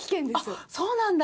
あっそうなんだ。